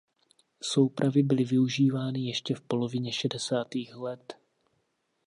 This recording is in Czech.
Soupravy byly využívány ještě v polovině šedesátých let.